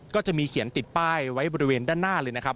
ก็จะมีเขียนติดป้ายไว้บริเวณด้านหน้าเลยนะครับ